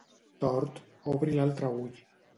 Tort, obri l'altre ull.